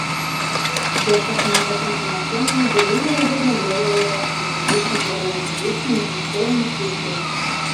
Першаснымі пакрытанасеннымі былі, верагодна, дрэвавыя расліны з вечназялёным лісцем і двухполымі кветкамі.